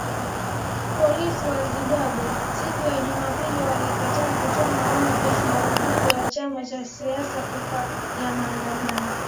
Polisi wa Zimbabwe, siku ya Jumapili walikataa kutoa maoni kuhusu marufuku kwa chama cha siasa kufa ya maandamano